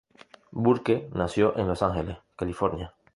Burke nació en Los Ángeles, California.